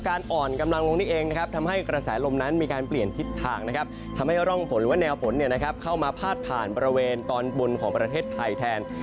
อ่อนกำลังลงนี่เองนะครับทำให้กระแสลมนั้นมีการเปลี่ยนทิศทางนะครับทำให้ร่องฝนหรือว่าแนวฝนเข้ามาพาดผ่านบริเวณตอนบนของประเทศไทยแทน